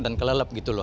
dan kelelep gitu loh